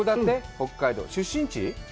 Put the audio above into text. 北海道、出身地？